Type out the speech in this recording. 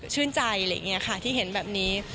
ชื่นใจอะไรอย่างนี้ค่ะที่เห็นแบบนี้